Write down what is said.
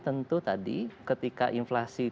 tentu tadi ketika inflasi